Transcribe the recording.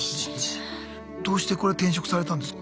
どうしてこれ転職されたんですか？